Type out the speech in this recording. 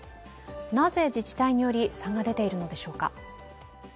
なぜ自治体により差が出ているのでしょうか。